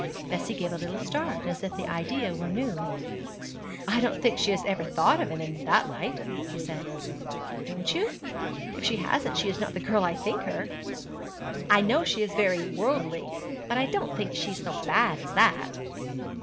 Bessie gave a little start, as if the idea were new. 'I don't think she has ever thought of him in that light,' she said. 'Don't you? If she hasn't she is not the girl I think her.' 'Oh, I know she is very worldly; but I don't think she's so bad as that.'